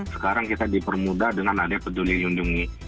sekarang kita dipermudah dengan adanya peduli lindungi